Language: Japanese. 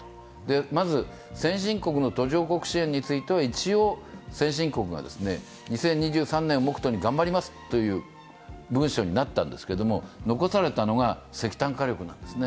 まず先進国の途上国支援については、一応、先進国が２０２３年を目途に頑張りますという文書になったんですけれども、残されたのが石炭火力なんです。